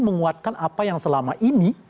menguatkan apa yang selama ini